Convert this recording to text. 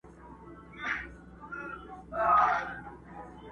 که ما غواړی درسره به یم یارانو!